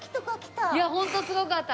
いやホントすごかった。